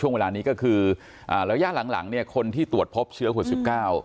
ช่วงเวลานี้ก็คือแล้วย่างหลังคนที่ตรวจพบเชื้อโควิด๑๙